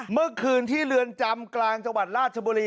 เมื่อคืนที่เรือนจำกลางจังหวัดราชบุรี